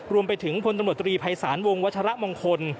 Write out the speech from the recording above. รวมไปถึงพลตำรวจตรีภัยศาลวงวัชระมงคล